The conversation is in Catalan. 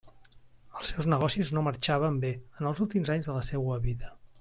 Els seus negocis no marxaven bé en els últims anys de la seua vida.